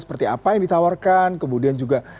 seperti apa yang ditawarkan kemudian juga